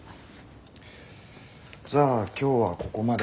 じゃあ今日はここまで。